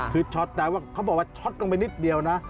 คือช็อตแต่ว่าเขาบอกว่าช็อตลงไปนิดเดียวนะ